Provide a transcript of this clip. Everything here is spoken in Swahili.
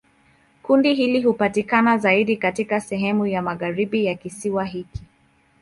Kundi hili hupatikana zaidi katika sehemu ya magharibi ya kisiwa hiki.